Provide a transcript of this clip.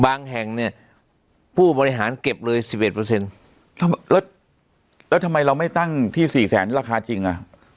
บางแห่งเนี่ยผู้บริหารเก็บเลยสิบเอ็ดเปอร์เซ็นต์แล้วแล้วทำไมเราไม่ตั้งที่สี่แสนราคาจริงอ่ะ